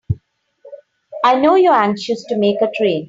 I know you're anxious to make a train.